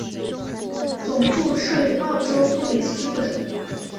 总部设于澳洲布里斯本。